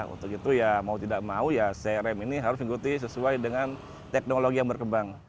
untuk itu ya mau tidak mau ya crm ini harus mengikuti sesuai dengan teknologi yang berkembang